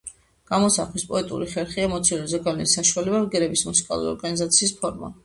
გამოსახვის პოეტური ხერხი, ემოციური ზეგავლენის საშუალება, ბგერების მუსიკალური ორგანიზაციის ფორმა.